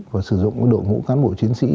và sử dụng đội ngũ cán bộ chiến sĩ